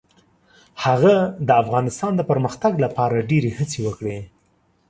هغه د افغانستان د پرمختګ لپاره ډیرې هڅې وکړې.